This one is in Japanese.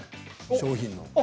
商品の。